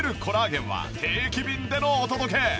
コラーゲンは定期便でのお届け